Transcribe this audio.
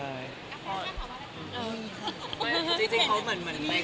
อันทบุรีกับพี่โดยจะผ่านมาได้ไหม